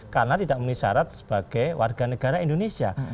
karena tidak memiliki syarat sebagai warga negara indonesia